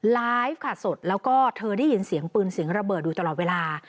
ไลฟ์ค่ะสดแล้วก็เธอได้ยินเสียงปืนเสียงระเบิดอยู่ตลอดเวลา